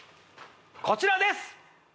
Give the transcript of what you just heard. こちらです